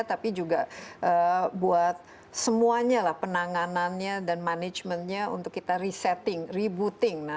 tapi juga untuk penanganannya dan manajemennya untuk kita resetting rebooting